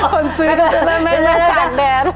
คนซื้อก็จะได้ไม่ได้จักแดน